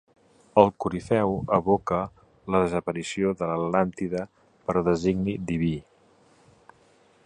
El corifeu evoca la desaparició de l'Atlàntida per designi diví.